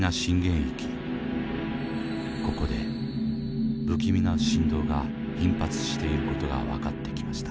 ここで不気味な震動が頻発している事が分かってきました。